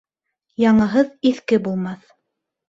Яңыһыҙ иҫке булмаҫ